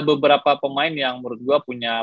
beberapa pemain yang menurut gue punya